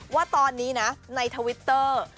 ว่าตอนนี้นะในทวิตเตอร์